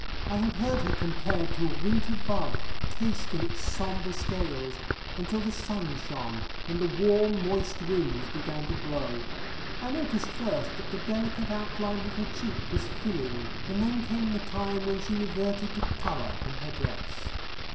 I have heard her compared to a winter bud, cased in its sombre scales, until the sun shone, and the warm, moist winds began to blow. I noticed first that the delicate outline of her cheek was filling, and then came the time when she reverted to colour in her dress.